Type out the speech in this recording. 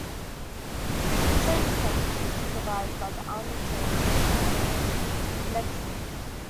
The training centers are supervised by the Army Training Command in Leipzig.